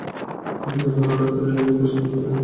তিনি পাঁচবার order of Lenin পুরস্কার লাভ করেন।